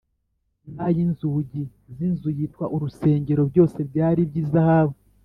n’ay’inzugi z’inzu yitwa urusengero, byose byari iby’izahabu